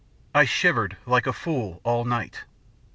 I shivered, like a fool, all night.